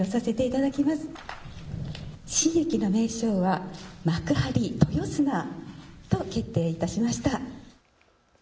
新駅の名称は幕張豊砂と決定しました。